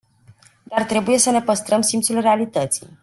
Dar trebuie să ne păstrăm simțul realității.